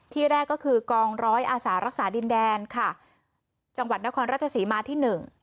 แรกก็คือกองร้อยอาสารักษาดินแดนค่ะจังหวัดนครราชสีมาที่หนึ่ง